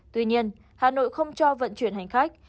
tuy nhiên hà nội không cho vận chuyển hành khách